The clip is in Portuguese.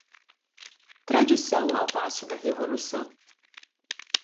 Tradição ao passo da revolução